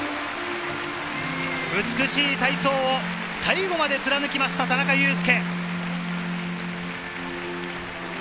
美しい体操を最後まで貫きました、田中佑典。